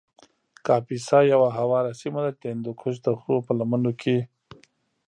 کاپیسا یو هواره سیمه ده چې د هندوکش د غرو په لمنو کې